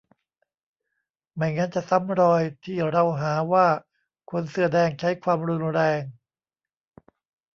ไม่งั้นจะซ้ำรอยที่เราหาว่าคนเสื้อแดงใช้ความรุนแรง